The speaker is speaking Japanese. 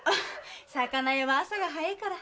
魚屋は朝が早いから。